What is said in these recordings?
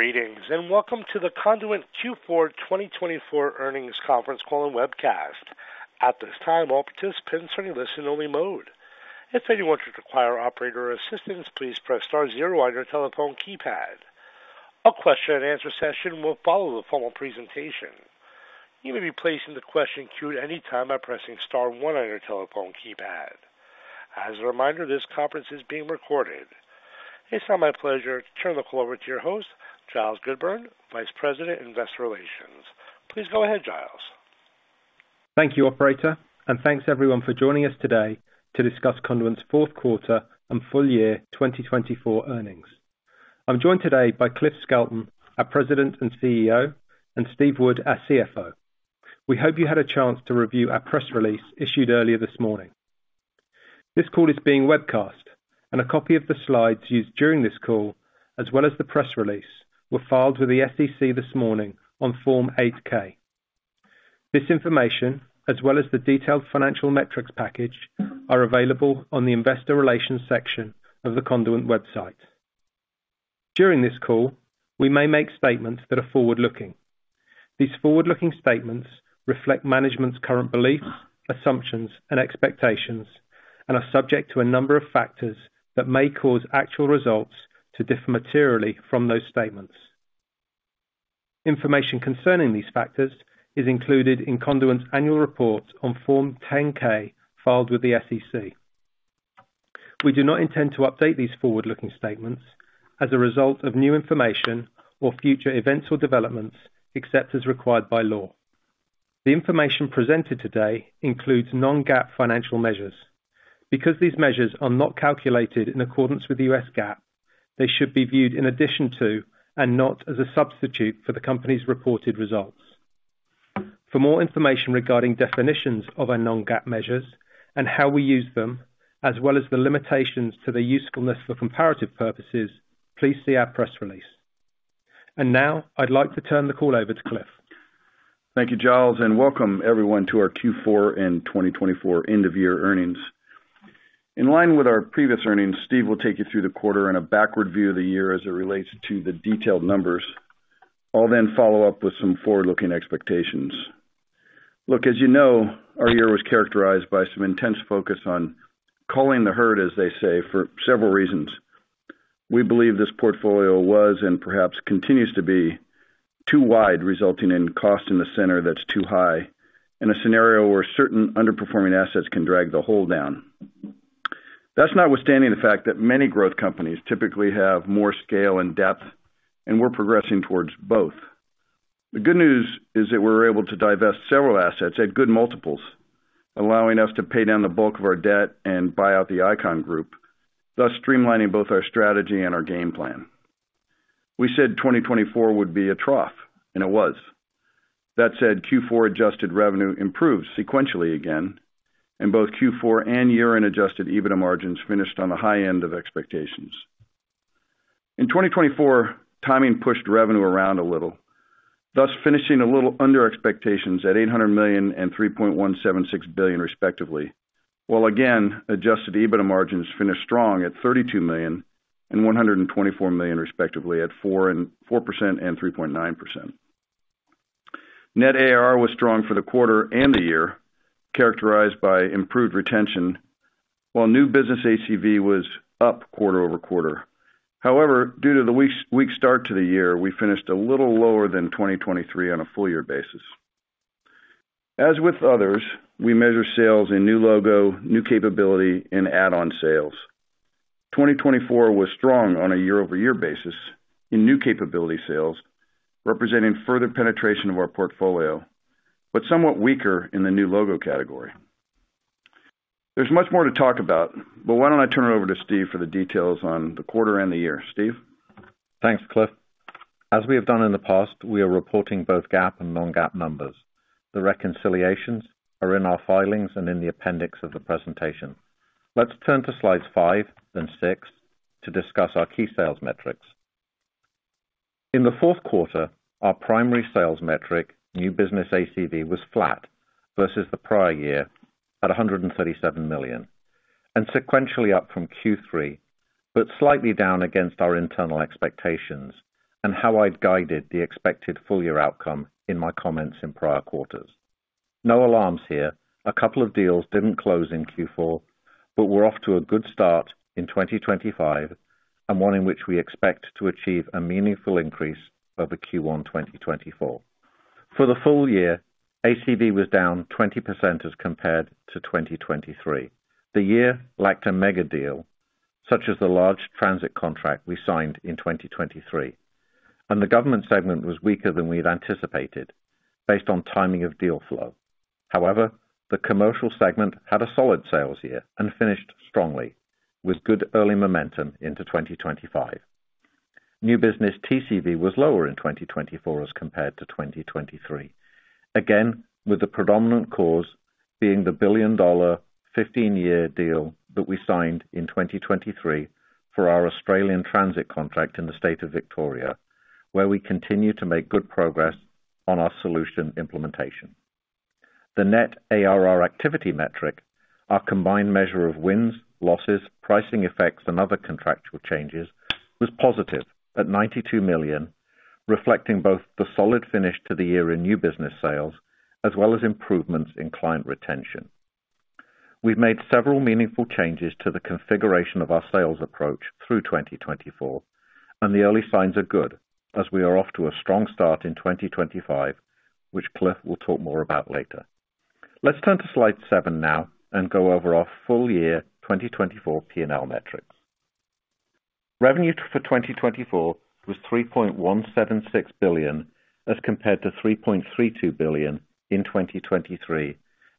Greetings and welcome to the Conduent Q4 2024 Earnings Conference Call and Webcast. At this time, all participants are in listen-only mode. If anyone should require operator assistance, please press star zero on your telephone keypad. A question-and-answer session will follow the formal presentation. You may be placed into question queue at any time by pressing star one on your telephone keypad. As a reminder, this conference is being recorded. It's now my pleasure to turn the call over to your host, Giles Goodburn, Vice President, Investor Relations. Please go ahead, Giles. Thank you, Operator, and thanks everyone for joining us today to discuss Conduent's fourth quarter and full year 2024 earnings. I'm joined today by Cliff Skelton, our President and CEO, and Steve Wood, our CFO. We hope you had a chance to review our press release issued earlier this morning. This call is being webcast, and a copy of the slides used during this call, as well as the press release, were filed with the SEC this morning on Form 8-K. This information, as well as the detailed financial metrics package, are available on the Investor Relations section of the Conduent website. During this call, we may make statements that are forward-looking. These forward-looking statements reflect management's current beliefs, assumptions, and expectations, and are subject to a number of factors that may cause actual results to differ materially from those statements. Information concerning these factors is included in Conduent's annual report on Form 10-K filed with the SEC. We do not intend to update these forward-looking statements as a result of new information or future events or developments except as required by law. The information presented today includes non-GAAP financial measures. Because these measures are not calculated in accordance with U.S. GAAP, they should be viewed in addition to and not as a substitute for the company's reported results. For more information regarding definitions of our non-GAAP measures and how we use them, as well as the limitations to their usefulness for comparative purposes, please see our press release, and now, I'd like to turn the call over to Cliff. Thank you, Giles, and welcome everyone to our Q4 and 2024 end-of-year earnings. In line with our previous earnings, Steve will take you through the quarter in a backward view of the year as it relates to the detailed numbers, all then followed up with some forward-looking expectations. Look, as you know, our year was characterized by some intense focus on culling the herd, as they say, for several reasons. We believe this portfolio was and perhaps continues to be too wide, resulting in cost in the center that's too high, and a scenario where certain underperforming assets can drag the whole down. That's notwithstanding the fact that many growth companies typically have more scale and depth, and we're progressing towards both. The good news is that we were able to divest several assets at good multiples, allowing us to pay down the bulk of our debt and buy out the Icahn Group, thus streamlining both our strategy and our game plan. We said 2024 would be a trough, and it was. That said, Q4 adjusted revenue improved sequentially again, and both Q4 and year-end adjusted EBITDA margins finished on the high end of expectations. In 2024, timing pushed revenue around a little, thus finishing a little under expectations at $800 million and $3.176 billion, respectively, while again, adjusted EBITDA margins finished strong at $32 million and $124 million, respectively, at 4% and 3.9%. Net ARR was strong for the quarter and the year, characterized by improved retention, while new business ACV was up quarter over quarter. However, due to the weak start to the year, we finished a little lower than 2023 on a full-year basis. As with others, we measure sales in new logo, new capability, and add-on sales. 2024 was strong on a year-over-year basis in new capability sales, representing further penetration of our portfolio, but somewhat weaker in the new logo category. There's much more to talk about, but why don't I turn it over to Steve for the details on the quarter and the year, Steve? Thanks, Cliff. As we have done in the past, we are reporting both GAAP and non-GAAP numbers. The reconciliations are in our filings and in the appendix of the presentation. Let's turn to slides five, then six, to discuss our key sales metrics. In the fourth quarter, our primary sales metric, new business ACV, was flat versus the prior year at $137 million, and sequentially up from Q3, but slightly down against our internal expectations and how I'd guided the expected full-year outcome in my comments in prior quarters. No alarms here. A couple of deals didn't close in Q4, but we're off to a good start in 2025 and one in which we expect to achieve a meaningful increase over Q1 2024. For the full year, ACV was down 20% as compared to 2023. The year lacked a mega deal, such as the large transit contract we signed in 2023, and the Government segment was weaker than we'd anticipated based on timing of deal flow. However, the Commercial segment had a solid sales year and finished strongly with good early momentum into 2025. New business TCV was lower in 2024 as compared to 2023, again with the predominant cause being the billion-dollar 15-year deal that we signed in 2023 for our Australian transit contract in the state of Victoria, where we continue to make good progress on our solution implementation. The net ARR activity metric, our combined measure of wins, losses, pricing effects, and other contractual changes, was positive at $92 million, reflecting both the solid finish to the year in new business sales as well as improvements in client retention. We've made several meaningful changes to the configuration of our sales approach through 2024, and the early signs are good as we are off to a strong start in 2025, which Cliff will talk more about later. Let's turn to slide seven now and go over our full year 2024 P&L metrics. Revenue for 2024 was $3.176 billion as compared to $3.32 billion in 2023,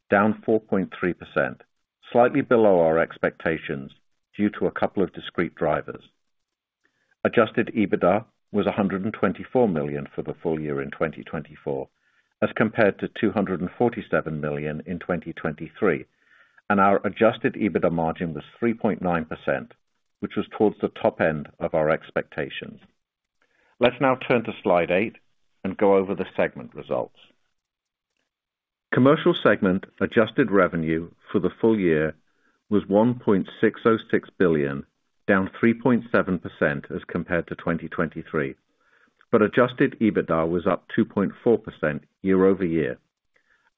down 4.3%, slightly below our expectations due to a couple of discrete drivers. Adjusted EBITDA was $124 million for the full year in 2024 as compared to $247 million in 2023, and our adjusted EBITDA margin was 3.9%, which was towards the top end of our expectations. Let's now turn to slide eight and go over the segment results. Commercial segment adjusted revenue for the full year was $1.606 billion, down 3.7% as compared to 2023, but adjusted EBITDA was up 2.4% year-over-year,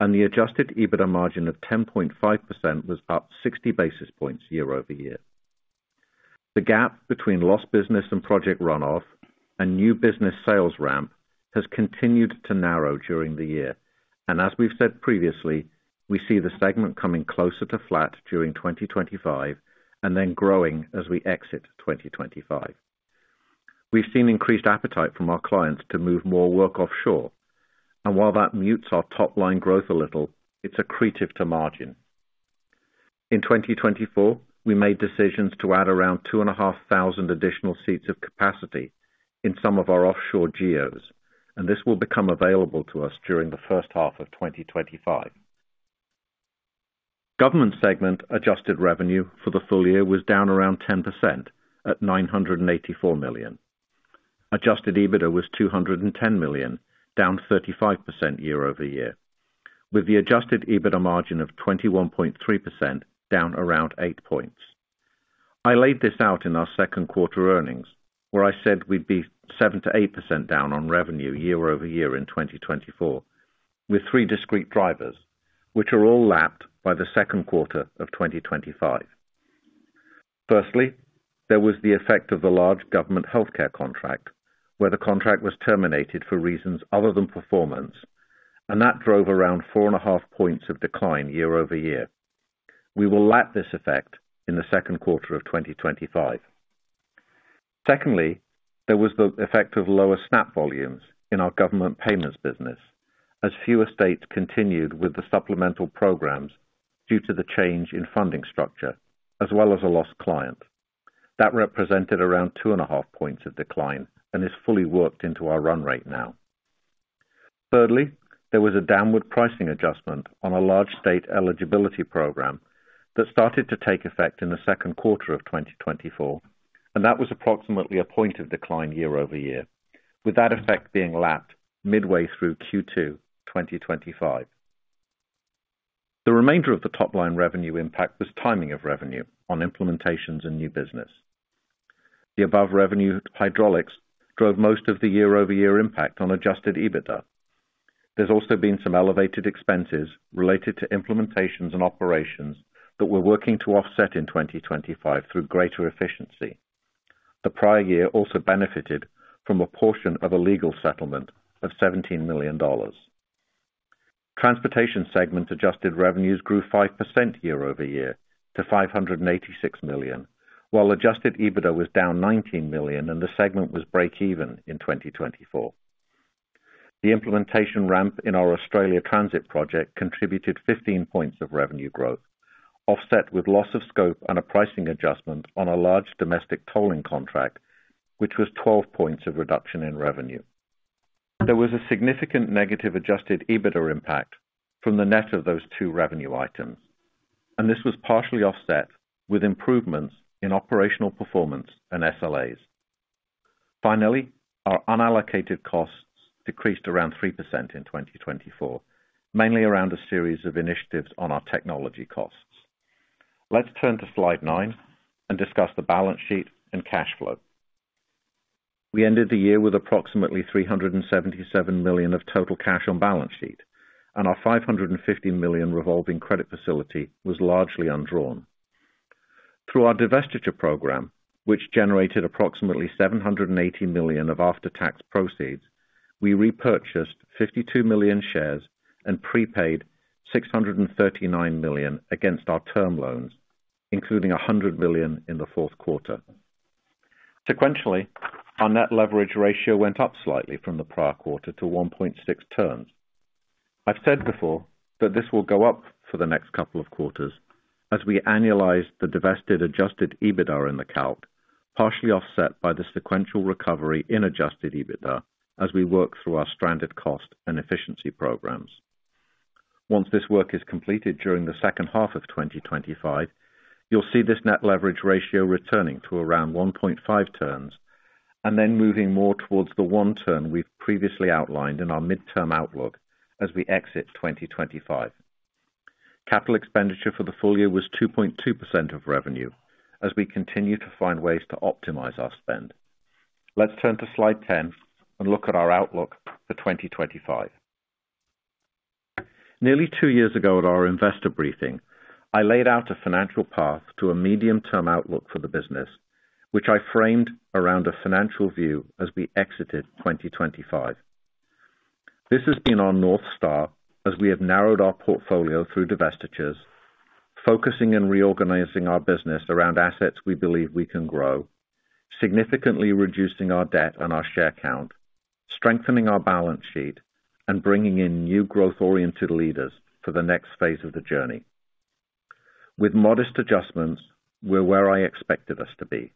and the adjusted EBITDA margin of 10.5% was up 60 basis points year-over-year. The gap between lost business and project runoff and new business sales ramp has continued to narrow during the year, and as we've said previously, we see the segment coming closer to flat during 2025 and then growing as we exit 2025. We've seen increased appetite from our clients to move more work offshore, and while that mutes our top-line growth a little, it's accretive to margin. In 2024, we made decisions to add around 2,500 additional seats of capacity in some of our offshore GEOs, and this will become available to us during the first half of 2025. Government segment adjusted revenue for the full year was down around 10% at $984 million. Adjusted EBITDA was $210 million, down 35% year-over-year, with the adjusted EBITDA margin of 21.3%, down around 8 points. I laid this out in our second quarter earnings, where I said we'd be 7%-8% down on revenue year-over-year in 2024, with three discrete drivers, which are all lapped by the second quarter of 2025. Firstly, there was the effect of the large Government healthcare contract, where the contract was terminated for reasons other than performance, and that drove around 4.5 points of decline year-over-year. We will lap this effect in the second quarter of 2025. Secondly, there was the effect of lower SNAP volumes in our Government payments business, as fewer states continued with the supplemental programs due to the change in funding structure, as well as a lost client. That represented around 2.5 points of decline and is fully worked into our run rate now. Thirdly, there was a downward pricing adjustment on a large state eligibility program that started to take effect in the second quarter of 2024, and that was approximately a point of decline year-over-year, with that effect being lapped midway through Q2 2025. The remainder of the top-line revenue impact was timing of revenue on implementations and new business. The above revenue hydraulics drove most of the year-over-year impact on Adjusted EBITDA. There's also been some elevated expenses related to implementations and operations that we're working to offset in 2025 through greater efficiency. The prior year also benefited from a portion of a legal settlement of $17 million. Transportation segment adjusted revenues grew 5% year-over-year to $586 million, while Adjusted EBITDA was down $19 million, and the segment was break-even in 2024. The implementation ramp in our Australia transit project contributed 15 points of revenue growth, offset with loss of scope and a pricing adjustment on a large domestic tolling contract, which was 12 points of reduction in revenue. There was a significant negative Adjusted EBITDA impact from the net of those two revenue items, and this was partially offset with improvements in operational performance and SLAs. Finally, our unallocated costs decreased around 3% in 2024, mainly around a series of initiatives on our technology costs. Let's turn to slide nine and discuss the balance sheet and cash flow. We ended the year with approximately $377 million of total cash on balance sheet, and our $550 million revolving credit facility was largely undrawn. Through our divestiture program, which generated approximately $780 million of after-tax proceeds, we repurchased 52 million shares and prepaid $639 million against our term loans, including $100 million in the fourth quarter. Sequentially, our net leverage ratio went up slightly from the prior quarter to 1.6 turns. I've said before that this will go up for the next couple of quarters as we annualize the divested adjusted EBITDA in the calc, partially offset by the sequential recovery in adjusted EBITDA as we work through our stranded cost and efficiency programs. Once this work is completed during the second half of 2025, you'll see this net leverage ratio returning to around 1.5 turns and then moving more towards the one turn we've previously outlined in our midterm outlook as we exit 2025. CAPEX for the full year was 2.2% of revenue as we continue to find ways to optimize our spend. Let's turn to slide 10 and look at our outlook for 2025. Nearly two years ago, at our investor briefing, I laid out a financial path to a medium-term outlook for the business, which I framed around a financial view as we exited 2025. This has been our north star as we have narrowed our portfolio through divestitures, focusing and reorganizing our business around assets we believe we can grow, significantly reducing our debt and our share count, strengthening our balance sheet, and bringing in new growth-oriented leaders for the next phase of the journey. With modest adjustments, we're where I expected us to be,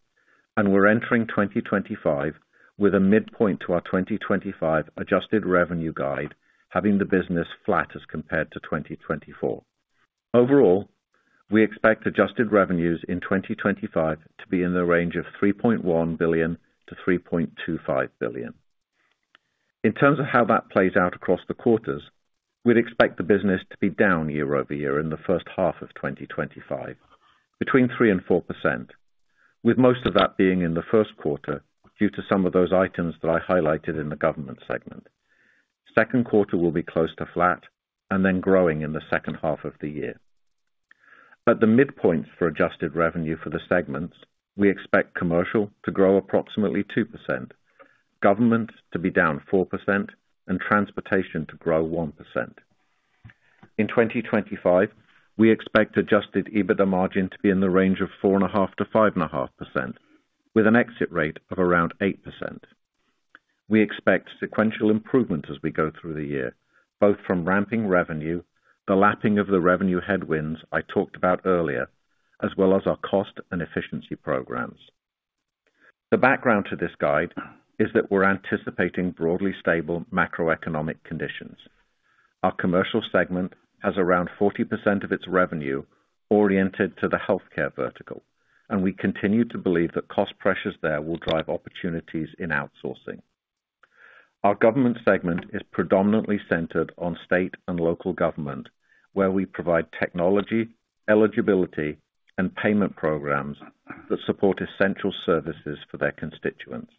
and we're entering 2025 with a midpoint to our 2025 adjusted revenue guide having the business flat as compared to 2024. Overall, we expect Adjusted revenues in 2025 to be in the range of $3.1 billion-$3.25 billion. In terms of how that plays out across the quarters, we'd expect the business to be down year-over-year in the first half of 2025, between 3%-4%, with most of that being in the first quarter due to some of those items that I highlighted in the Government segment. Second quarter will be close to flat and then growing in the second half of the year. At the midpoint for Adjusted revenue for the segments, we expect Commercial to grow approximately 2%, Government to be down 4%, and Transportation to grow 1%. In 2025, we expect Adjusted EBITDA margin to be in the range of 4.5%-5.5%, with an exit rate of around 8%. We expect sequential improvements as we go through the year, both from ramping revenue, the lapping of the revenue headwinds I talked about earlier, as well as our cost and efficiency programs. The background to this guide is that we're anticipating broadly stable macroeconomic conditions. Our Commercial segment has around 40% of its revenue oriented to the healthcare vertical, and we continue to believe that cost pressures there will drive opportunities in outsourcing. Our Government segment is predominantly centered on state and local Government, where we provide technology, eligibility, and payment programs that support essential services for their constituents.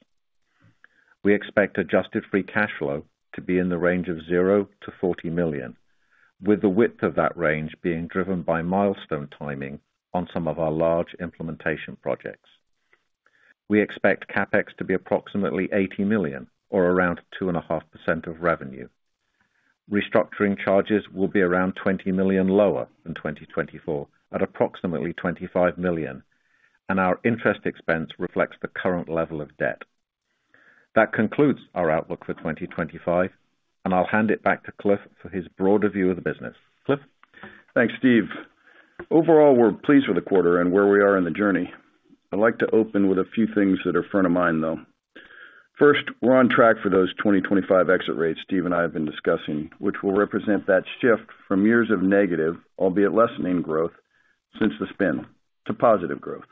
We expect adjusted free cash flow to be in the range of $0-$40 million, with the width of that range being driven by milestone timing on some of our large implementation projects. We expect CAPEX to be approximately $80 million, or around 2.5% of revenue. Restructuring charges will be around $20 million lower than 2024, at approximately $25 million, and our interest expense reflects the current level of debt. That concludes our outlook for 2025, and I'll hand it back to Cliff for his broader view of the business. Cliff? Thanks, Steve. Overall, we're pleased with the quarter and where we are in the journey. I'd like to open with a few things that are front of mind, though. First, we're on track for those 2025 exit rates, Steve and I have been discussing, which will represent that shift from years of negative, albeit lessening growth since the spin, to positive growth.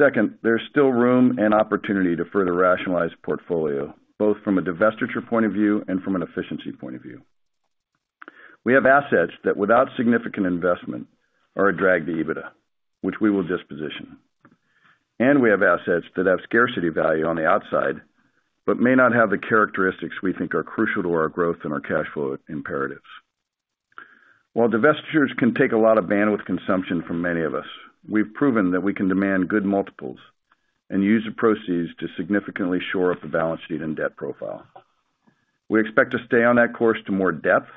Second, there's still room and opportunity to further rationalize the portfolio, both from a divestiture point of view and from an efficiency point of view. We have assets that, without significant investment, are a drag to EBITDA, which we will disposition. We have assets that have scarcity value on the outside but may not have the characteristics we think are crucial to our growth and our cash flow imperatives. While divestitures can take a lot of bandwidth consumption from many of us, we've proven that we can demand good multiples and use the proceeds to significantly shore up the balance sheet and debt profile. We expect to stay on that course to more depth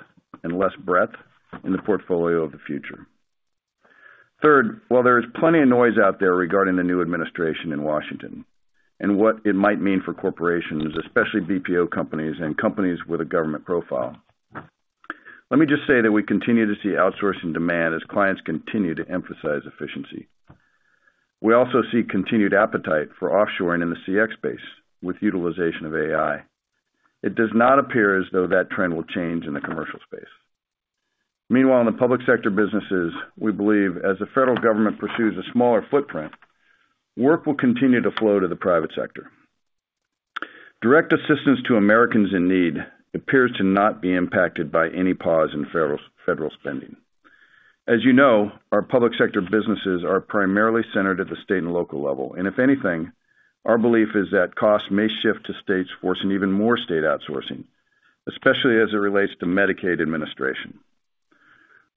and less breadth in the portfolio of the future. Third, while there is plenty of noise out there regarding the new administration in Washington and what it might mean for corporations, especially BPO companies and companies with a Government profile, let me just say that we continue to see outsourcing demand as clients continue to emphasize efficiency. We also see continued appetite for offshoring in the CX space with utilization of AI. It does not appear as though that trend will change in the Commercial space. Meanwhile, in the public sector businesses, we believe as the federal Government pursues a smaller footprint, work will continue to flow to the private sector. Direct assistance to Americans in need appears to not be impacted by any pause in federal spending. As you know, our public sector businesses are primarily centered at the state and local level, and if anything, our belief is that costs may shift to states forcing even more state outsourcing, especially as it relates to Medicaid administration.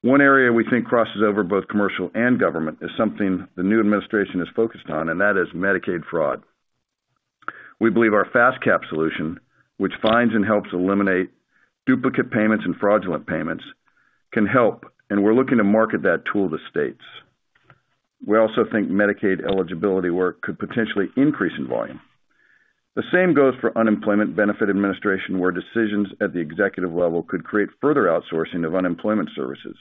One area we think crosses over both Commercial and Government is something the new administration is focused on, and that is Medicaid fraud. We believe our FastCap solution, which finds and helps eliminate duplicate payments and fraudulent payments, can help, and we're looking to market that tool to states. We also think Medicaid eligibility work could potentially increase in volume. The same goes for unemployment benefit administration, where decisions at the executive level could create further outsourcing of unemployment services,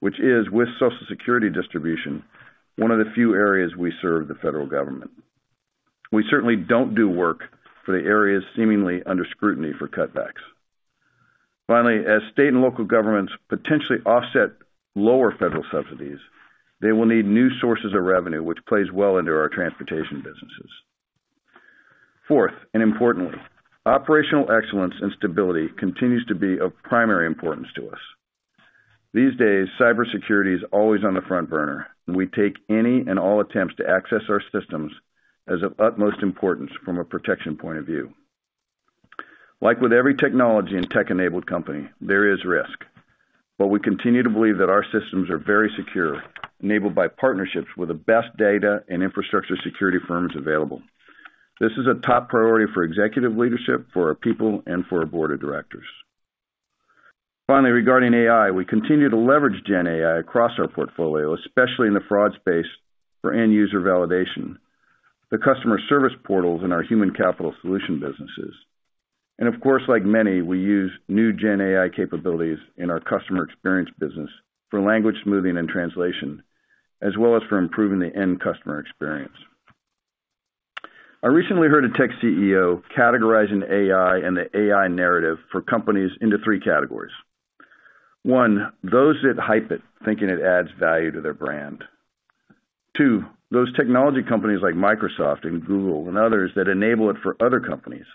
which is, with Social Security distribution, one of the few areas we serve the federal Government. We certainly don't do work for the areas seemingly under scrutiny for cutbacks. Finally, as state and local Governments potentially offset lower federal subsidies, they will need new sources of revenue, which plays well into our transportation businesses. Fourth, and importantly, operational excellence and stability continues to be of primary importance to us. These days, cybersecurity is always on the front burner, and we take any and all attempts to access our systems as of utmost importance from a protection point of view. Like with every technology and tech-enabled company, there is risk, but we continue to believe that our systems are very secure, enabled by partnerships with the best data and infrastructure security firms available. This is a top priority for executive leadership, for our people, and for our board of directors. Finally, regarding AI, we continue to leverage GenAI across our portfolio, especially in the fraud space for end-user validation, the customer service portals, and our human capital solution businesses. And of course, like many, we use new GenAI capabilities in our customer experience business for language smoothing and translation, as well as for improving the end customer experience. I recently heard a tech CEO categorizing AI and the AI narrative for companies into three categories. One, those that hype it, thinking it adds value to their brand. Two, those technology companies like Microsoft and Google and others that enable it for other companies.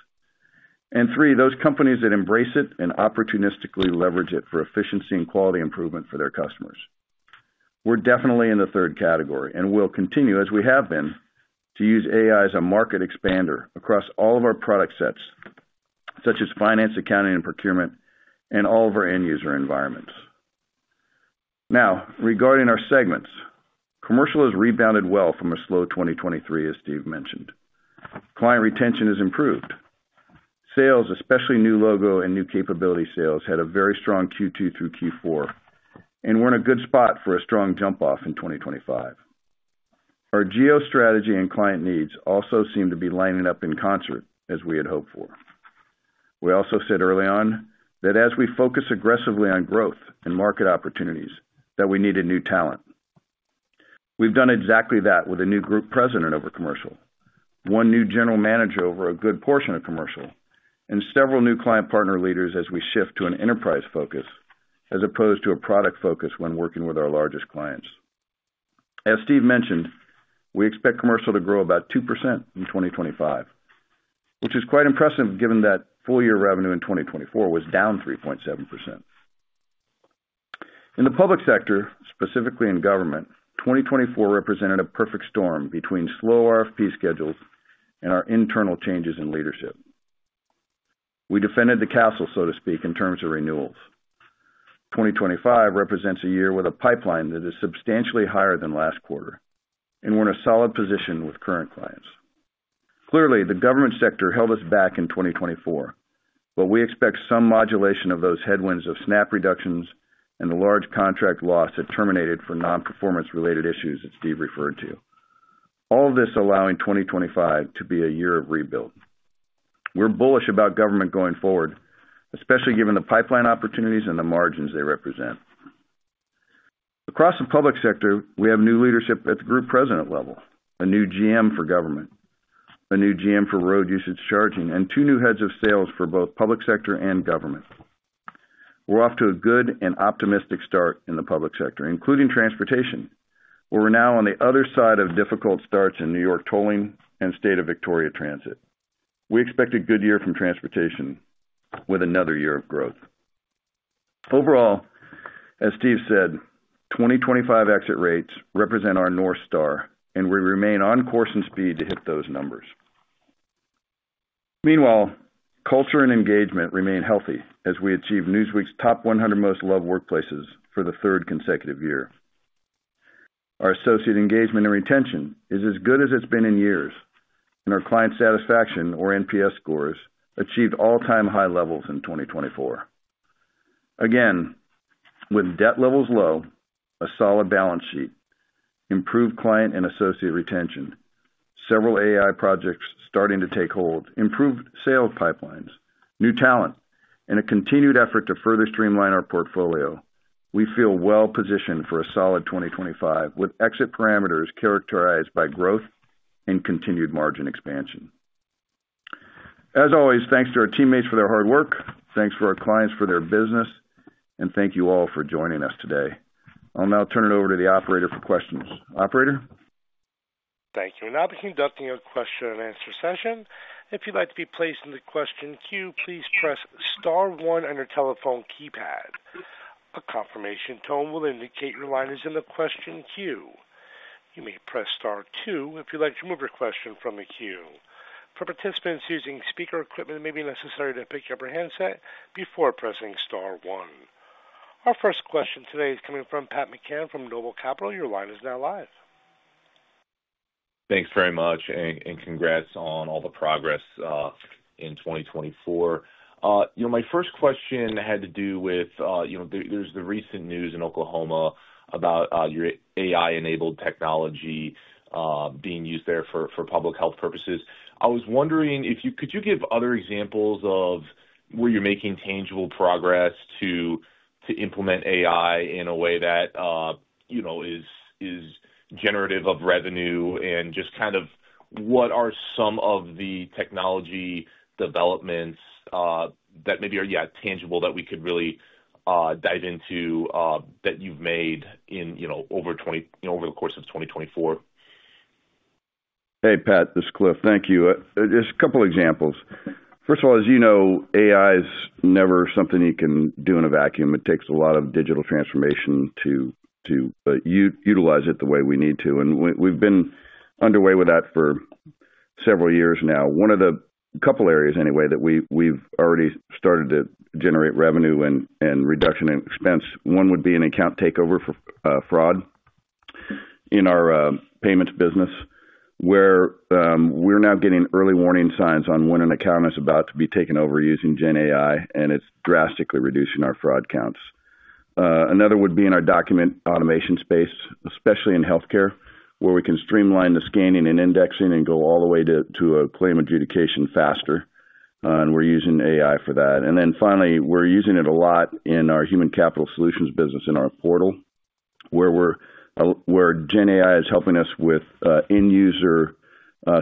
And three, those companies that embrace it and opportunistically leverage it for efficiency and quality improvement for their customers. We're definitely in the third category, and we'll continue, as we have been, to use AI as a market expander across all of our product sets, such as finance, accounting, and procurement, and all of our end-user environments. Now, regarding our segments, Commercial has rebounded well from a slow 2023, as Steve mentioned. Client retention has improved. Sales, especially new logo and new capability sales, had a very strong Q2 through Q4, and we're in a good spot for a strong jump-off in 2025. Our geostrategy and client needs also seem to be lining up in concert, as we had hoped for. We also said early on that as we focus aggressively on growth and market opportunities, that we needed new talent. We've done exactly that with a new group president over Commercial, one new general manager over a good portion of Commercial, and several new client partner leaders as we shift to an enterprise focus as opposed to a product focus when working with our largest clients. As Steve mentioned, we expect Commercial to grow about 2% in 2025, which is quite impressive given that full-year revenue in 2024 was down 3.7%. In the public sector, specifically in Government, 2024 represented a perfect storm between slow RFP schedules and our internal changes in leadership. We defended the castle, so to speak, in terms of renewals. 2025 represents a year with a pipeline that is substantially higher than last quarter, and we're in a solid position with current clients. Clearly, the Government sector held us back in 2024, but we expect some modulation of those headwinds of SNAP reductions and the large contract loss that terminated for non-performance-related issues that Steve referred to, all of this allowing 2025 to be a year of rebuild. We're bullish about Government going forward, especially given the pipeline opportunities and the margins they represent. Across the public sector, we have new leadership at the group president level, a new GM for Government, a new GM for road usage charging, and two new heads of sales for both public sector and Government. We're off to a good and optimistic start in the public sector, including transportation, where we're now on the other side of difficult starts in New York tolling and state of Victoria transit. We expect a good year from transportation with another year of growth. Overall, as Steve said, 2025 exit rates represent our north star, and we remain on course and speed to hit those numbers. Meanwhile, culture and engagement remain healthy as we achieveNewsweek's Top 100 Most Loved Workplaces for the third consecutive year. Our associate engagement and retention is as good as it's been in years, and our client satisfaction, or NPS scores, achieved all-time high levels in 2024. Again, with debt levels low, a solid balance sheet, improved client and associate retention, several AI projects starting to take hold, improved sales pipelines, new talent, and a continued effort to further streamline our portfolio, we feel well-positioned for a solid 2025 with exit parameters characterized by growth and continued margin expansion. As always, thanks to our teammates for their hard work, thanks to our clients for their business, and thank you all for joining us today. I'll now turn it over to the operator for questions. Operator? Thank you. We will now begin the question-and-answer session. If you'd like to be placed in the question queue, please press star one on your telephone keypad. A confirmation tone will indicate your line is in the question queue. You may press star two if you'd like to remove your question from the queue. For participants using speaker equipment, it may be necessary to pick up your handset before pressing star one. Our first question today is coming from Pat McCann from Noble Capital Markets. Your line is now live. Thanks very much, and congrats on all the progress in 2024. My first question had to do with the recent news in Oklahoma about your AI-enabled technology being used there for public health purposes. I was wondering if you could give other examples of where you're making tangible progress to implement AI in a way that is generative of revenue and just kind of what are some of the technology developments that maybe are, yeah, tangible that we could really dive into that you've made over the course of 2024? Hey, Pat, this is Cliff. Thank you. Just a couple of examples. First of all, as you know, AI is never something you can do in a vacuum. It takes a lot of digital transformation to utilize it the way we need to, and we've been underway with that for several years now. One of the couple of areas, anyway, that we've already started to generate revenue and reduction in expense, one would be an account takeover for fraud in our payments business, where we're now getting early warning signs on when an account is about to be taken over using GenAI, and it's drastically reducing our fraud counts. Another would be in our document automation space, especially in healthcare, where we can streamline the scanning and indexing and go all the way to a claim adjudication faster, and we're using AI for that. And then finally, we're using it a lot in our human capital solutions business in our portal, where GenAI is helping us with end-user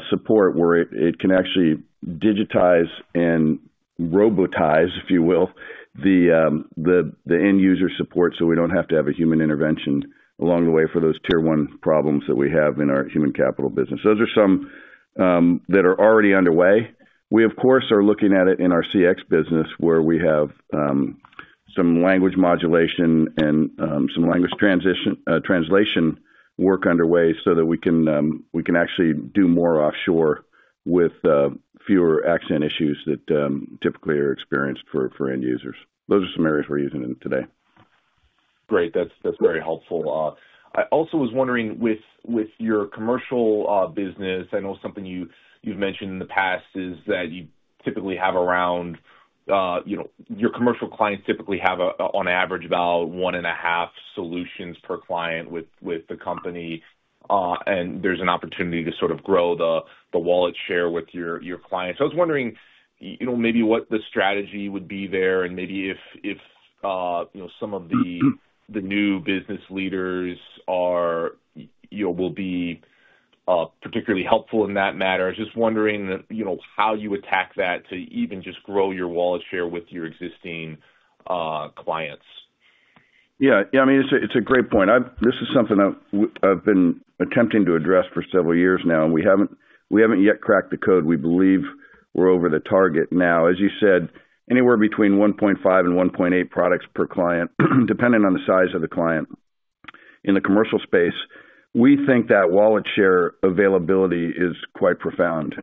support, where it can actually digitize and robotize, if you will, the end-user support so we don't have to have a human intervention along the way for those tier-one problems that we have in our human capital business. Those are some that are already underway. We, of course, are looking at it in our CX business, where we have some language modulation and some language translation work underway so that we can actually do more offshore with fewer accent issues that typically are experienced for end users. Those are some areas we're using today. Great. That's very helpful. I also was wondering, with your Commercial business, I know something you've mentioned in the past is that your Commercial clients typically have, on average, about one and a half solutions per client with the company, and there's an opportunity to sort of grow the wallet share with your clients. I was wondering maybe what the strategy would be there and maybe if some of the new business leaders will be particularly helpful in that matter. I was just wondering how you attack that to even just grow your wallet share with your existing clients. Yeah. Yeah. I mean, it's a great point. This is something that I've been attempting to address for several years now, and we haven't yet cracked the code. We believe we're over the target now. As you said, anywhere between 1.5 and 1.8 products per client, depending on the size of the client. In the Commercial space, we think that wallet share availability is quite profound.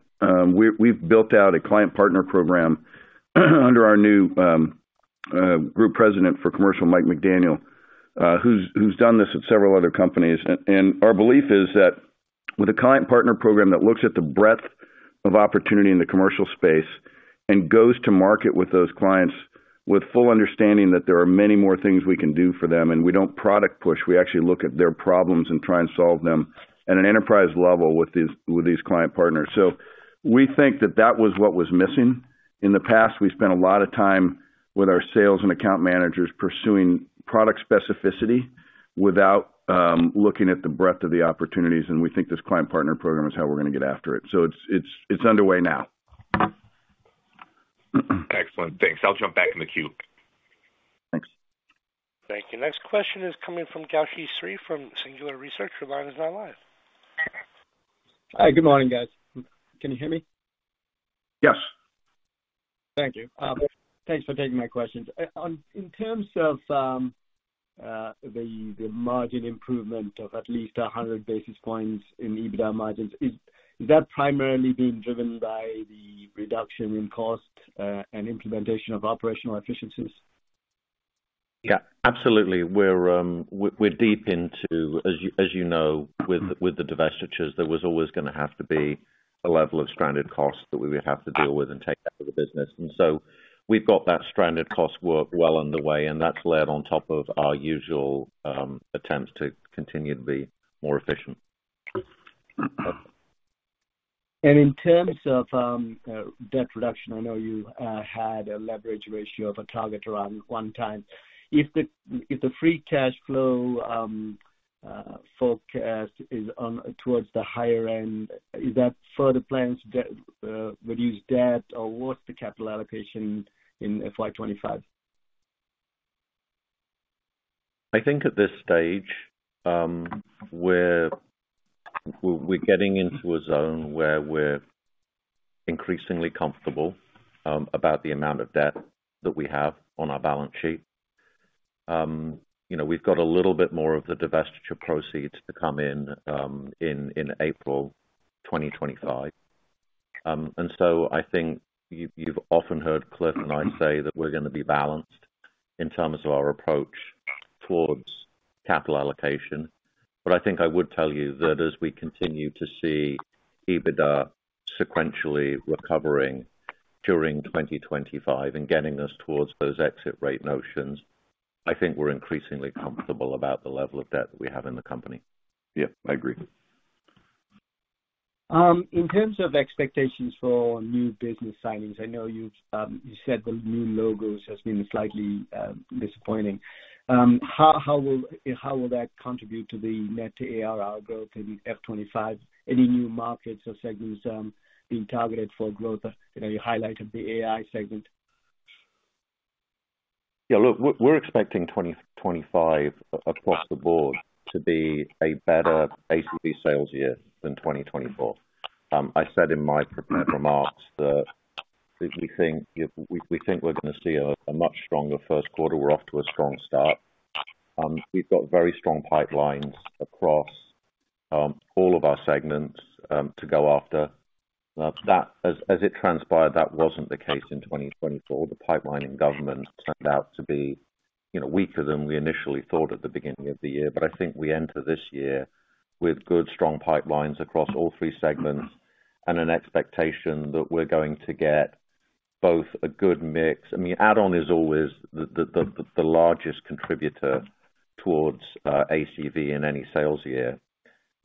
We've built out a client partner program under our new Group President for Commercial, Mike McDaniel, who's done this at several other companies. And our belief is that with a client partner program that looks at the breadth of opportunity in the Commercial space and goes to market with those clients with full understanding that there are many more things we can do for them, and we don't product push. We actually look at their problems and try and solve them at an enterprise level with these client partners. So we think that that was what was missing. In the past, we spent a lot of time with our sales and account managers pursuing product specificity without looking at the breadth of the opportunities, and we think this client partner program is how we're going to get after it, so it's underway now. Excellent. Thanks. I'll jump back in the queue. Thanks. Thank you. Next question is coming from Gauthier Sry from Singular Research. Your line is now live. Hi. Good morning, guys. Can you hear me? Yes. Thank you. Thanks for taking my questions. In terms of the margin improvement of at least 100 basis points in EBITDA margins, is that primarily being driven by the reduction in cost and implementation of operational efficiencies? Yeah. Absolutely. We're deep into, as you know, with the divestitures. There was always going to have to be a level of stranded costs that we would have to deal with and take out of the business, and so we've got that stranded cost work well underway, and that's led on top of our usual attempts to continue to be more efficient. And in terms of debt reduction, I know you had a leverage ratio of a target around one time. If the free cash flow forecast is towards the higher end, is that further plans to reduce debt, or what's the capital allocation in FY25? I think at this stage, we're getting into a zone where we're increasingly comfortable about the amount of debt that we have on our balance sheet. We've got a little bit more of the divestiture proceeds to come in in April 2025. And so I think you've often heard Cliff and I say that we're going to be balanced in terms of our approach towards capital allocation. But I think I would tell you that as we continue to see EBITDA sequentially recovering during 2025 and getting us towards those exit rate notions, I think we're increasingly comfortable about the level of debt that we have in the company. Yeah. I agree. In terms of expectations for new business signings, I know you said the new logo has been slightly disappointing. How will that contribute to the net ARR growth in F25? Any new markets or segments being targeted for growth? You highlighted the AI segment. Yeah. Look, we're expecting 2025 across the board to be a better ACV sales year than 2024. I said in my prepared remarks that we think we're going to see a much stronger first quarter. We're off to a strong start. We've got very strong pipelines across all of our segments to go after. As it transpired, that wasn't the case in 2024. The pipeline in Government turned out to be weaker than we initially thought at the beginning of the year. But I think we enter this year with good, strong pipelines across all three segments and an expectation that we're going to get both a good mix. I mean, add-on is always the largest contributor towards ACV in any sales year.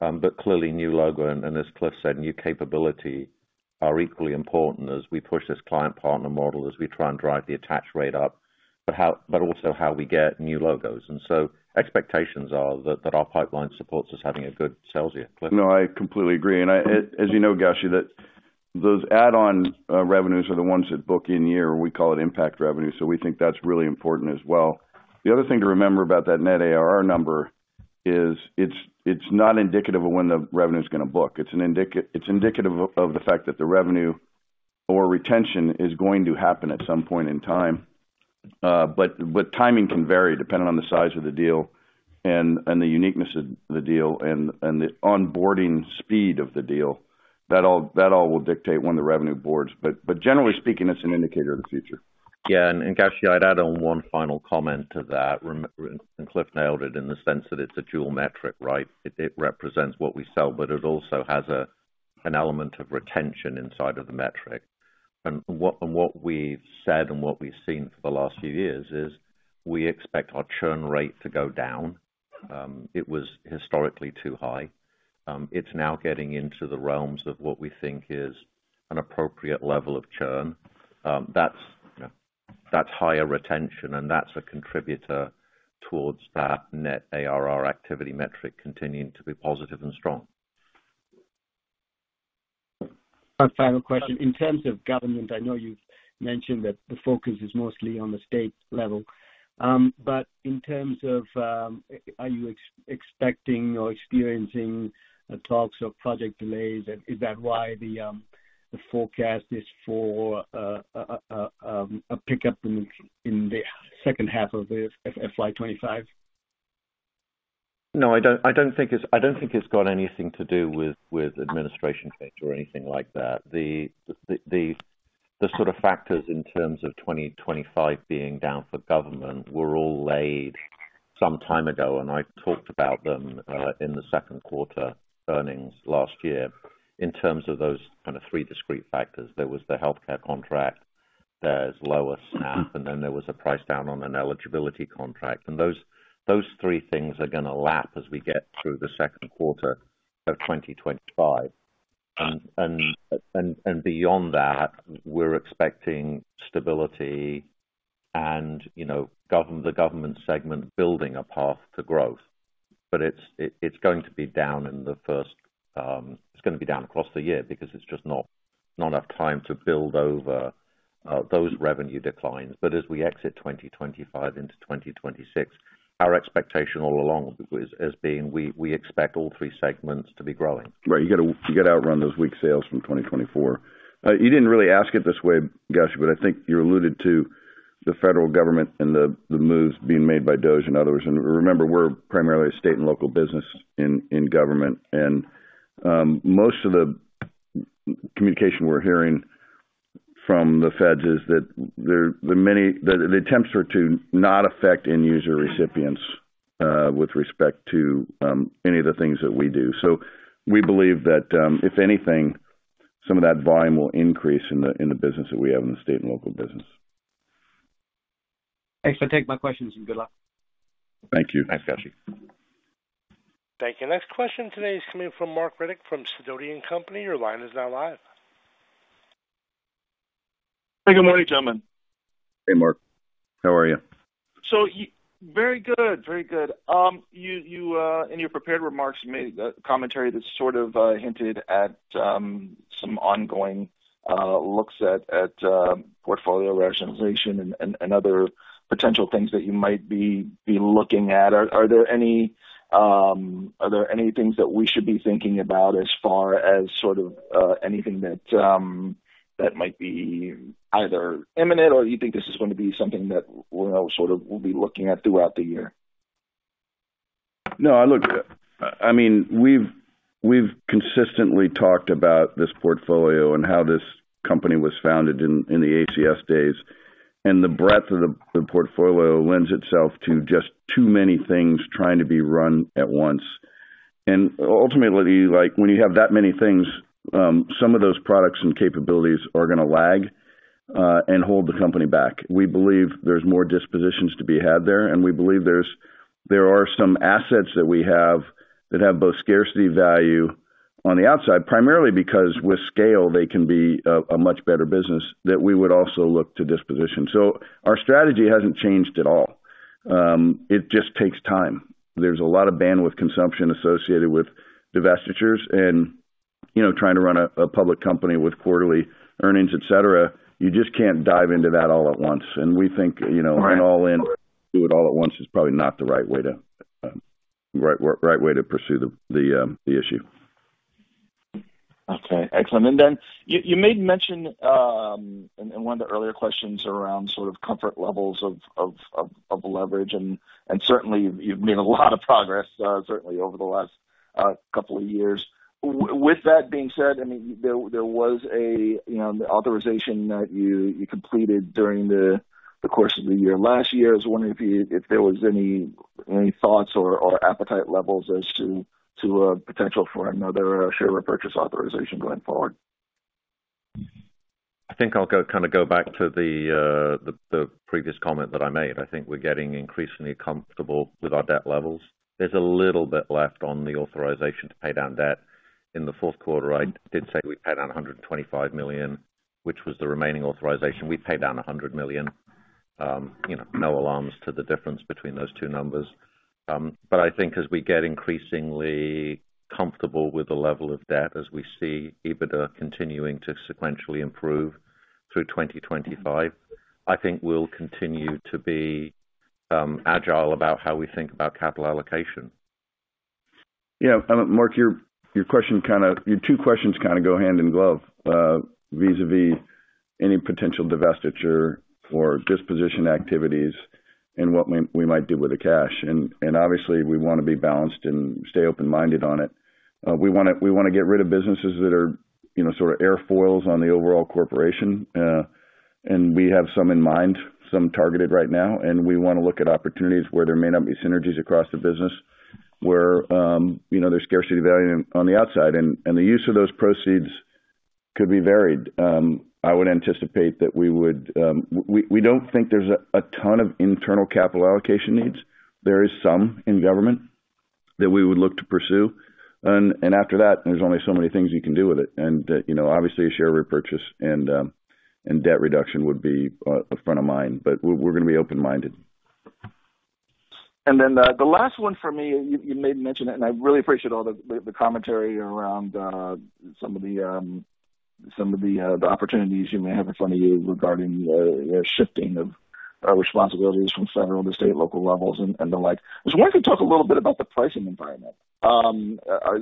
But clearly, new logo, and as Cliff said, new capability are equally important as we push this client partner model, as we try and drive the attach rate up, but also how we get new logos. And so expectations are that our pipeline supports us having a good sales year. No, I completely agree. As you know, Gauthier, those add-on revenues are the ones that book in year. We call it impact revenue. So we think that's really important as well. The other thing to remember about that net ARR number is it's not indicative of when the revenue is going to book. It's indicative of the fact that the revenue or retention is going to happen at some point in time. But timing can vary depending on the size of the deal and the uniqueness of the deal and the onboarding speed of the deal. That all will dictate when the revenue books. But generally speaking, it's an indicator of the future. Yeah. And Gauthier, I'd add on one final comment to that. And Cliff nailed it in the sense that it's a dual metric, right? It represents what we sell, but it also has an element of retention inside of the metric. And what we've said and what we've seen for the last few years is we expect our churn rate to go down. It was historically too high. It's now getting into the realms of what we think is an appropriate level of churn. That's higher retention, and that's a contributor towards that net ARR activity metric continuing to be positive and strong. Final question. In terms of Government, I know you've mentioned that the focus is mostly on the state level. But in terms of are you expecting or experiencing talks or project delays, is that why the forecast is for a pickup in the second half of FY25? No, I don't think it's got anything to do with administration change or anything like that. The sort of factors in terms of 2025 being down for Government were all laid out some time ago, and I talked about them in the second quarter earnings last year. In terms of those kind of three discrete factors, there was the healthcare contract, there's lower SNAP, and then there was a price down on an eligibility contract. And those three things are going to lap as we get through the second quarter of 2025. And beyond that, we're expecting stability and the Government segment building a path to growth. But it's going to be down in the first half. It's going to be down across the year because it's just not enough time to build over those revenue declines. But as we exit 2025 into 2026, our expectation all along has been we expect all three segments to be growing. Right. You got to outrun those weak sales from 2024. You didn't really ask it this way, Gauthier, but I think you alluded to the federal Government and the moves being made by DOGE and others. And remember, we're primarily a state and local business in Government. And most of the communication we're hearing from the feds is that the attempts are to not affect end user recipients with respect to any of the things that we do. So we believe that, if anything, some of that volume will increase in the business that we have in the state and local business. Thanks. I take my questions and good luck. Thank you. Thanks, Gauthier. Thank you. Next question today is coming from Marc Riddick from Sidoti & Company. Your line is now live. Hey, good morning, gentlemen. Hey, Mark. How are you? So very good. Very good. In your prepared remarks, you made commentary that sort of hinted at some ongoing looks at portfolio rationalization and other potential things that you might be looking at. Are there any things that we should be thinking about as far as sort of anything that might be either imminent or you think this is going to be something that we'll sort of be looking at throughout the year? No, I mean, we've consistently talked about this portfolio and how this company was founded in the ACS days. And the breadth of the portfolio lends itself to just too many things trying to be run at once. And ultimately, when you have that many things, some of those products and capabilities are going to lag and hold the company back. We believe there's more dispositions to be had there, and we believe there are some assets that we have that have both scarcity value on the outside, primarily because with scale, they can be a much better business, that we would also look to disposition. Our strategy hasn't changed at all. It just takes time. There's a lot of bandwidth consumption associated with divestitures. Trying to run a public company with quarterly earnings, etc., you just can't dive into that all at once. We think an all-in to do it all at once is probably not the right way to pursue the issue. Okay. Excellent. Then you made mention in one of the earlier questions around sort of comfort levels of leverage. Certainly, you've made a lot of progress, certainly, over the last couple of years. With that being said, I mean, there was an authorization that you completed during the course of the year last year. I was wondering if there were any thoughts or appetite levels as to potential for another share repurchase authorization going forward. I think I'll kind of go back to the previous comment that I made. I think we're getting increasingly comfortable with our debt levels. There's a little bit left on the authorization to pay down debt. In the fourth quarter, I did say we paid down $125 million, which was the remaining authorization. We paid down $100 million. No alarms to the difference between those two numbers. But I think as we get increasingly comfortable with the level of debt, as we see EBITDA continuing to sequentially improve through 2025, I think we'll continue to be agile about how we think about capital allocation. Yeah. Mark, your two questions kind of go hand in glove vis-à-vis any potential divestiture or disposition activities and what we might do with the cash. Obviously, we want to be balanced and stay open-minded on it. We want to get rid of businesses that are sort of airfoils on the overall corporation. We have some in mind, some targeted right now. We want to look at opportunities where there may not be synergies across the business, where there's scarcity value on the outside. The use of those proceeds could be varied. I would anticipate that we would. We don't think there's a ton of internal capital allocation needs. There is some in Government that we would look to pursue. After that, there's only so many things you can do with it. And obviously, share repurchase and debt reduction would be a front of mind. But we're going to be open-minded. And then the last one for me, you made mention it, and I really appreciate all the commentary around some of the opportunities you may have in front of you regarding the shifting of responsibilities from federal to state and local levels and the like. I just wanted to talk a little bit about the pricing environment.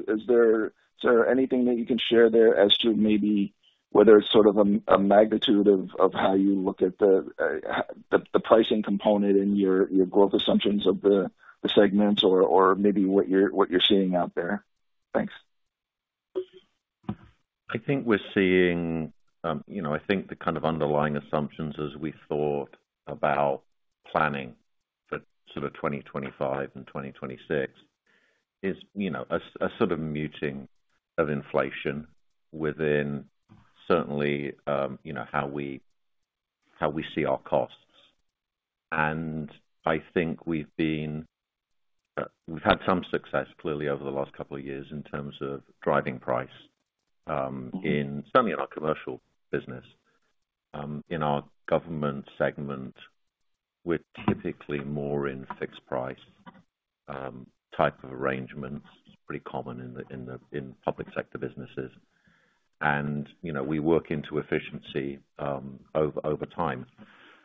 Is there anything that you can share there as to maybe whether it's sort of a magnitude of how you look at the pricing component and your growth assumptions of the segments or maybe what you're seeing out there? Thanks. I think we're seeing the kind of underlying assumptions as we thought about planning for sort of 2025 and 2026 is a sort of muting of inflation within certainly how we see our costs, and I think we've had some success, clearly, over the last couple of years in terms of driving price in certainly in our Commercial business. In our Government segment, we're typically more in fixed-price type of arrangements. It's pretty common in public sector businesses, and we work into efficiency over time,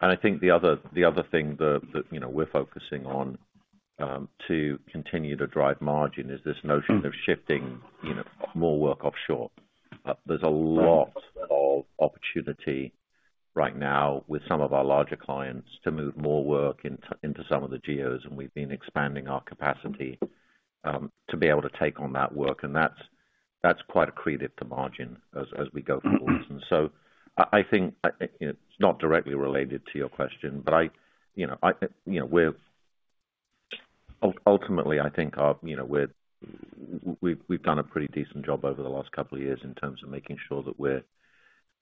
and I think the other thing that we're focusing on to continue to drive margin is this notion of shifting more work offshore. There's a lot of opportunity right now with some of our larger clients to move more work into some of the GOs, and we've been expanding our capacity to be able to take on that work. That's quite a creative way to margin as we go forward. So I think it's not directly related to your question, but we're ultimately, I think we've done a pretty decent job over the last couple of years in terms of making sure that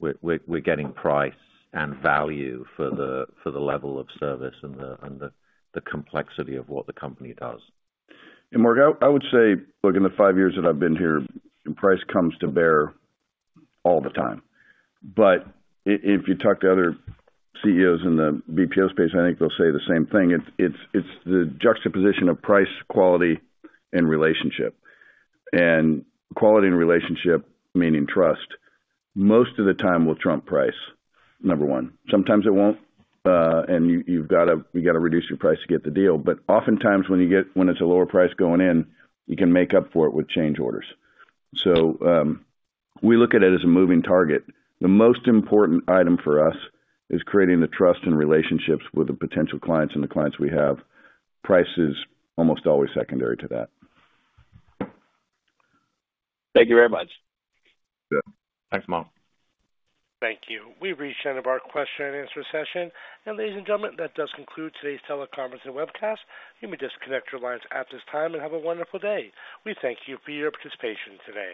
we're getting price and value for the level of service and the complexity of what the company does. Mark, I would say looking at the five years that I've been here, price comes to bear all the time. But if you talk to other CEOs in the BPO space, I think they'll say the same thing. It's the juxtaposition of price, quality, and relationship. Quality and relationship, meaning trust, most of the time will trump price, number one. Sometimes it won't. You've got to reduce your price to get the deal. But oftentimes, when it's a lower price going in, you can make up for it with change orders. So we look at it as a moving target. The most important item for us is creating the trust and relationships with the potential clients and the clients we have. Price is almost always secondary to that. Thank you very much. Thanks, Mark. Thank you. We've reached the end of our question and answer session. And ladies and gentlemen, that does conclude today's teleconference and webcast. You may disconnect your lines at this time and have a wonderful day. We thank you for your participation today.